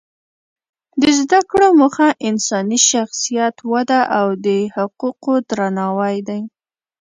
د زده کړو موخه انساني شخصیت وده او د حقوقو درناوی دی.